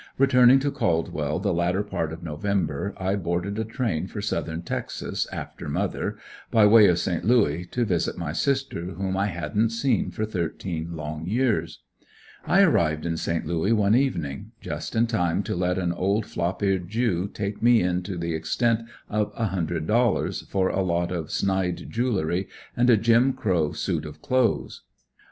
Returning to Caldwell the latter part of November, I boarded a train for Southern Texas, after mother, by way of Saint Louis to visit my sister whom I hadn't seen for thirteen long years. I arrived in Saint Louis one evening just in time to let an old flop eared Jew take me in to the extent of a hundred dollars for a lot of snide jewelry and a Jim Crow suit of clothes.